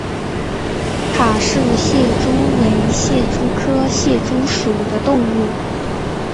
卡氏蟹蛛为蟹蛛科蟹蛛属的动物。